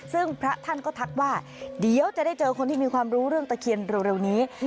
ซึ่งพระท่านก็ทักว่าเดี๋ยวจะได้เจอคนที่มีความรู้เรื่องตะเคียนเร็วนี้